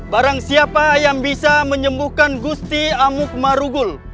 barang siapa yang bisa menyembuhkan gusti amuk marugul